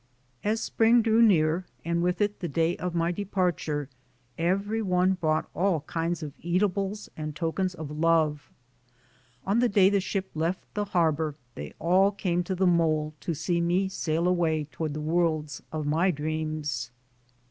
As spring drew near and with it the day of my departure, every one brought all kinds of eatables and tokens of love. On the day the ship left the harbor they all came to the mole to see me sail away toward the worlds of my dreams.